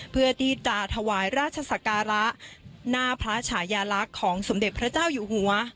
เพื่อที่จะถวายราชศักระหน้าพระฉายาลักษณ์ของสมเด็จพระเจ้าอยู่หัว